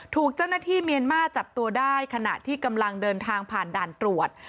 ถูกเจ้าหน้าที่เมียนมาร์จับตัวได้ขณะที่กำลังเดินทางผ่านด่านตรวจ